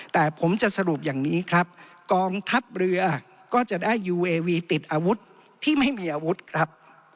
แต่ผมจะสรุปอย่างนี้ครับกองทัพเรือก็จะได้ยูเอวีติดอาวุธที่ไม่มีอาวุธครับ